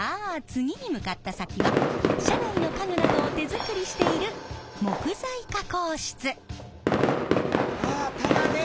次に向かった先は車内の家具などを手作りしているああ棚ね！